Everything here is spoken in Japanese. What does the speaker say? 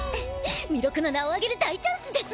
弥勒の名を揚げる大チャンスですわ。